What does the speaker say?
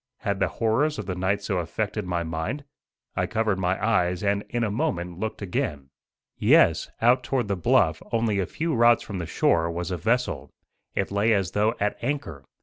Had the horrors of the night so affected my mind? I covered my eyes, and in a moment looked again. Yes, out toward the bluff, only a few rods from the shore, was a vessel. It lay as though at anchor.